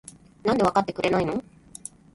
なんでわかってくれないの？？